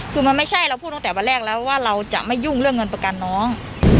คือมันไม่ใช่เราพูดตั้งแต่วันแรกแล้วว่าเราจะไม่ยุ่งเรื่องเงินประกันน้อง